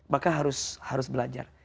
maka harus belajar